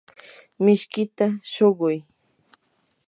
mishkita shuquy.